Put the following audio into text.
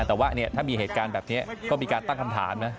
แต่ว่าถ้ามีเหตุการณ์แบบนี้ก็มีการตั้งคำถามนะ